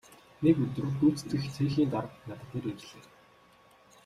Нэг өдөр гүйцэтгэх цехийн дарга над дээр ирлээ.